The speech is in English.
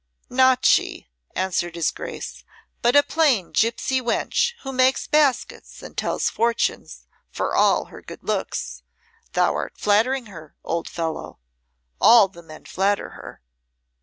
"Not she," answered his Grace, "but a plain gipsy wench who makes baskets and tells fortunes for all her good looks. Thou'rt flattering her, old fellow. All the men flatter her."